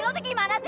lo tuh gimana sih